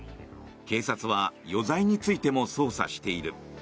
警察は余罪についても捜査している。